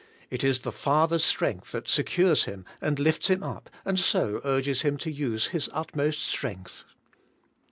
It is the father's strength that secures him and lifts him up, and so urges him to use his utmost strength.